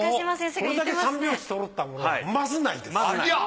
これだけ三拍子そろったものはまずないです！